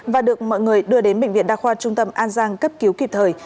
và được mọi người đưa đến bệnh viện đa khoa trung tâm an giang cấp cứu kịp thời